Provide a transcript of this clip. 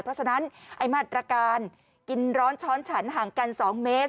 เพราะฉะนั้นไอ้มาตรการกินร้อนช้อนฉันห่างกัน๒เมตร